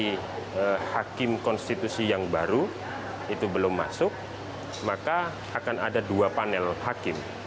kalau hakim konstitusi yang baru itu belum masuk maka akan ada dua panel hakim